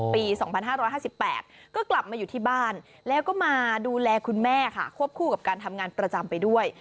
ปี๒๕๕๘ก็กลับมาอยู่ที่บ้านแล้วก็มาดูแลคุณแม่ค่ะควบคู่กับการทำงานประจำไปด้วย